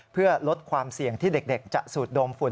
เพื่อลดความเสี่ยงที่เด็กจะสูดดมฝุ่น